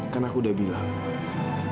kan aku udah bilang